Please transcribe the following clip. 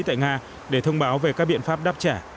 tại nga để thông báo về các biện pháp đáp trả